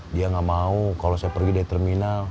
dia gak mau kalau saya pergi dari terminal